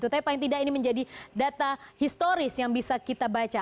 tapi paling tidak ini menjadi data historis yang bisa kita baca